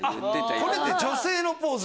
これって女性のポーズ？